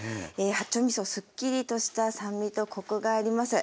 八丁みそすっきりとした酸味とコクがあります。